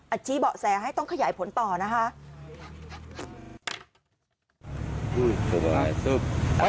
ชี้เบาะแสให้ต้องขยายผลต่อนะคะ